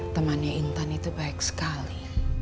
temannya intan itu baik sekali